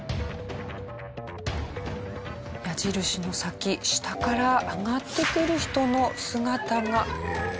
矢印の先下から上がってくる人の姿が。